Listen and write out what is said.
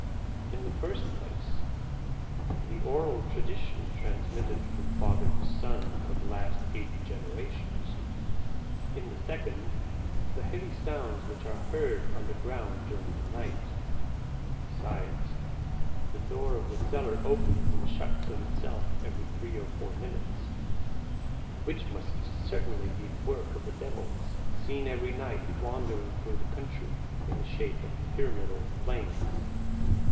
"In the first place, the oral tradition transmitted from father to son for the last eight generations; in the second, the heavy sounds which are heard under ground during the night. Besides, the door of the cellar opens and shuts of itself every three or four minutes; which must certainly be the work of the devils seen every night wandering through the country in the shape of pyramidal flames."